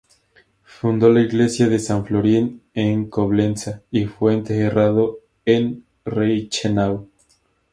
Fundó la iglesia de San Florín en Coblenza y fue enterrado en Reichenau.